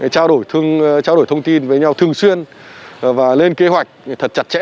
trao đổi thông tin với nhau thường xuyên và lên kế hoạch thật chặt chặt